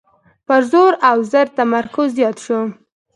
پر زور او زر تمرکز زیات شو.